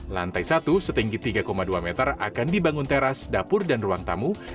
lantai satu setinggi tiga dua meter akan dibangun teras dapur dan ruang tamu